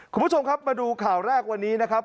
คุณผู้ชมครับมาดูข่าวแรกวันนี้นะครับ